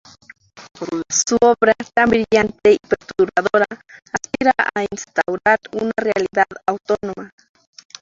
Su obra, tan brillante y perturbadora, aspira a instaurar una realidad autónoma".